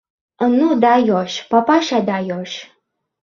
— Nu, dayosh, papasha, dayosh!